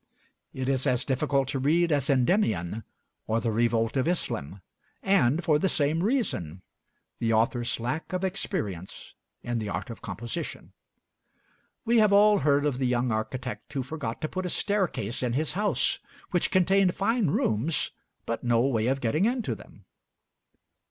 It is as difficult to read as 'Endymion' or the 'Revolt of Islam,' and for the same reason the author's lack of experience in the art of composition. We have all heard of the young architect who forgot to put a staircase in his house, which contained fine rooms, but no way of getting into them.